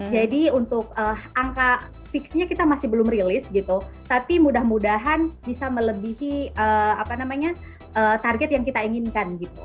jadi untuk angka fixnya kita masih belum rilis tapi mudah mudahan bisa melebihi target yang kita inginkan